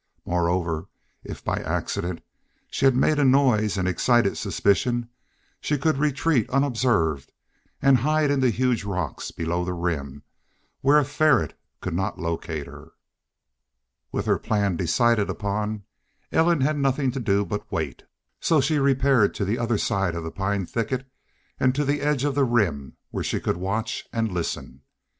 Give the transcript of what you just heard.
Moreover, if by accident she made a noise and excited suspicion, she could retreat unobserved and hide in the huge rocks below the Rim, where a ferret could not locate her. With her plan decided upon, Ellen had nothing to do but wait, so she repaired to the other side of the pine thicket and to the edge of the Rim where she could watch and listen.